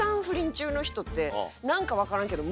何か分からんけど。